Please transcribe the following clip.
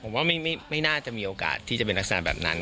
ผมว่าไม่น่าจะมีโอกาสที่จะเป็นลักษณะแบบนั้น